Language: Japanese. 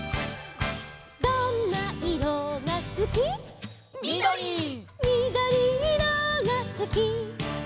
「どんないろがすき」「みどり」「みどりいろがすき」